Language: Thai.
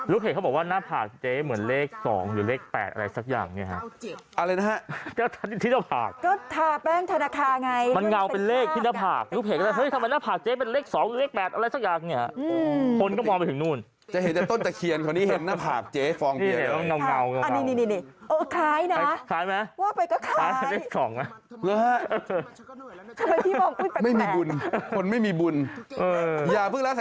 ลูกเพจเขาบอกว่าหน้าผากเจ๊เหมือนเลข๒หรือเลข๘อะไรสักอย่างนี่ฮะอะไรนะฮะที่หน้าผากก็ทาแป้งธนาคาไงมันเงาเป็นเลขที่หน้าผากลูกเพจก็แปลกทำไมหน้าผากเจ๊เป็นเลข๒หรือเลข๘อะไรสักอย่างนี่คนก็มองไปถึงนู่นจะเห็นแต่ต้นจักรเคียนคนนี้เห็นหน้าผากเจ๊ฟองเบียนเลยอันนี้คล้ายนะคล้ายไหมว่าไปก็คล้าย